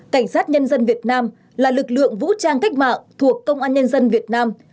cảnh sát nhân dân việt nam là lực lượng vũ trang cách mạng thuộc công an nhân dân việt nam